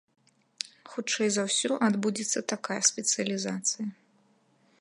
Хутчэй за ўсё, адбудзецца такая спецыялізацыя.